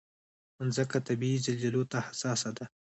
مځکه طبعي زلزلو ته حساسه ده.